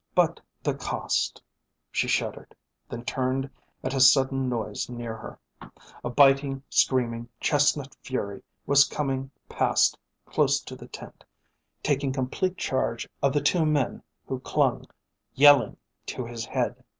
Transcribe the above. But the cost! She shuddered, then turned at a sudden noise near her. A biting, screaming chestnut fury was coming past close to the tent, taking complete charge of the two men who clung, yelling, to his head.